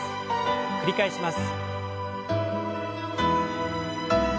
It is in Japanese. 繰り返します。